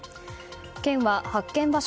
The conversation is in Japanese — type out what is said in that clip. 県は発見場所